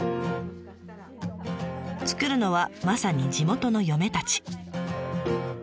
作るのはまさに地元の嫁たち。